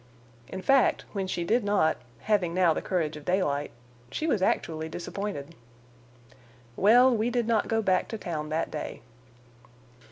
In fact, when she did not, having now the courage of daylight, she was actually disappointed. Well, we did not go back to town that day.